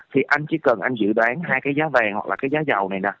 thì anh chỉ cần anh dự đoán hai cái giá vàng hoặc là cái giá dầu này nè